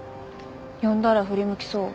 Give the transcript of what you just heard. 呼んだら振り向きそう。